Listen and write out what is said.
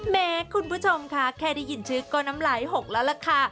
แม้คุณผู้ชมค่ะแค่ได้ยินชื่อก็น้ำลายหกแล้วล่ะค่ะ